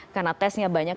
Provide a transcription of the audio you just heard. karena tesnya banyak